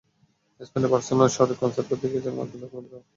স্পেনের বার্সেলোনা শহরে কনসার্ট করতে গিয়েছেন মার্কিন সংগীত তারকা জাস্টিন বিবার।